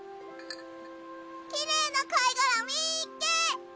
きれいなかいがらみっけ！